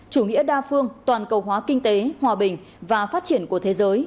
chủ nghĩa đa phương toàn cầu hóa kinh tế hòa bình và phát triển của thế giới